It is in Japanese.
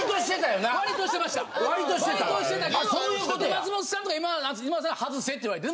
松本さんとか今田さんがはずせって言われて。